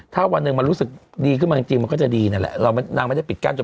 ถ้าวันหนึ่งมันรู้สึกดีขึ้นมาจริงมันก็จะดีนั่นแหละนางไม่ได้ปิดกั้นจน